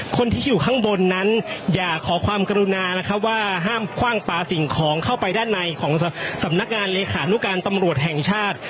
คนที่อยู่ข้างบนนั้นอยากขอความกรุณานะครับว่าห้ามคว่างปลาสิ่งของเข้าไปด้านในของสำนักงานเลขานุการตำรวจแห่งชาติ